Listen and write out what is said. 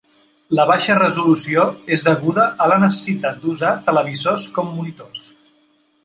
La baixa resolució és deguda a la necessitat d'usar televisors com monitors.